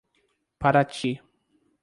Paraty